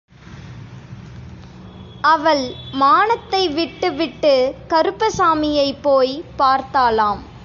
அவள் மானத்தை விட்டுவிட்டு, கருப்பசாமியை போய் பார்த்தாளாம்.